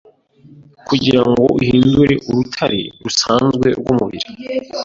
kugirango uhindure urutare rusanzwe rwumubiri